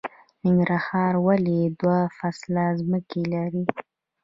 ننګرهار ولې دوه فصله ځمکې لري؟